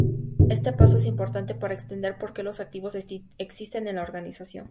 Este paso es importante para entender porque los activos existen en la organización.